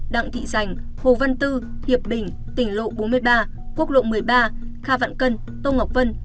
đặng thị dành hồ văn tư hiệp bình tỉnh lộ bốn mươi ba quốc lộ một mươi ba kha vạn cân tô ngọc vân